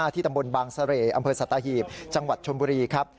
ตำบลบางเสร่อำเภอสัตหีบจังหวัดชนบุรีครับ